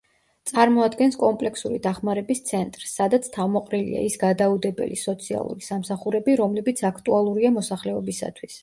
წარმოადგენს კომპლექსური დახმარების ცენტრს, სადაც თავმოყრილია ის გადაუდებელი სოციალური სამსახურები, რომლებიც აქტუალურია მოსახლეობისათვის.